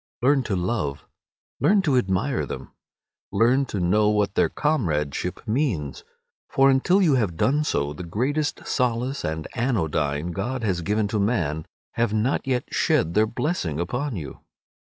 Learn to love, learn to admire them; learn to know what their comradeship means; for until you have done so the greatest solace and anodyne God has given to man have not yet shed their blessing upon you.